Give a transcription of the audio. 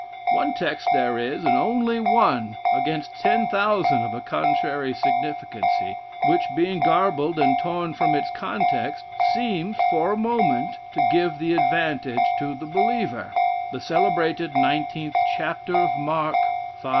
"One text there is, and only one, against ten thousand of a contrary significancy: which, being garbled and torn from its context, seems, for a moment, to give the advantage to the believer; the celebrated 19th chapter of Mark, v.